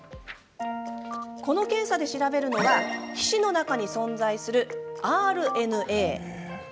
この検査で調べるのは皮脂の中に存在するＲＮＡ。